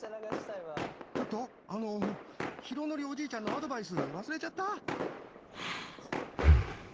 ちょっとあの浩徳おじいちゃんのアドバイス忘れちゃった？